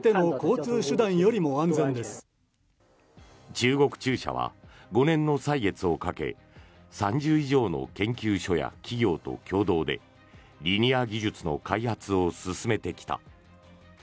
中国中車は５年の歳月をかけ３０以上の研究所や企業と共同でリニア技術の開発を進めてきた。